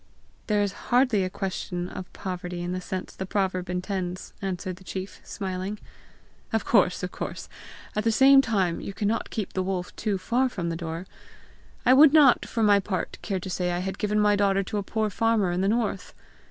"There is hardly a question of poverty in the sense the proverb intends!" answered the chief smiling. "Of course! Of course! At the same time you cannot keep the wolf too far from the door. I would not, for my part, care to say I had given my daughter to a poor farmer in the north.